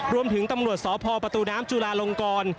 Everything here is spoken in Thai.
รวมถึงตำรวจสพประตูน้ำจุลาลงกร